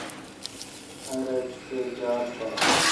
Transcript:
ار اک سہ جار تھال۔